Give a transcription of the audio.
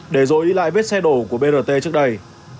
để dối lại vết xe đổ của brt trước đây